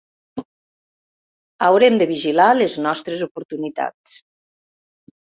Haurem de vigilar les nostres oportunitats.